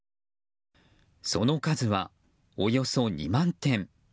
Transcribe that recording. その数は、およそ２万点。